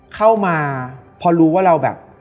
เข้ามาพอรู้ว่าเราแบบ